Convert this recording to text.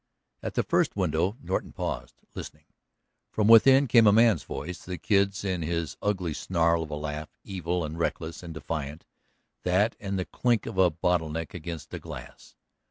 At the first window Norton paused, listening. From within came a man's voice, the Kid's, in his ugly snarl of a laugh, evil and reckless and defiant, that and the clink of a bottle neck against a glass.